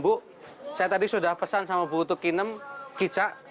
bu saya tadi sudah pesan sama bu utu kinem kicak